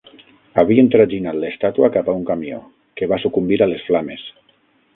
Havien traginat l'estàtua cap a un camió, que va sucumbir a les flames.